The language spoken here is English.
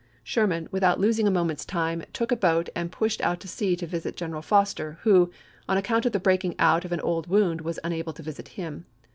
w 19'7 ik Sherman, without losing a moment's time, took a boat and pushed out to sea to visit General Foster, who, on account of the breaking out of an old wound, was unable to visit him.